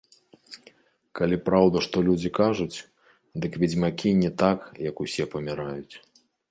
Калі праўда, што людзі кажуць, дык ведзьмакі не так, як усе, паміраюць.